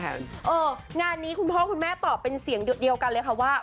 งานนี้คุณพ่อคุณแม่ตอบเป็นเสียงเดียวกันเลยค่ะว่า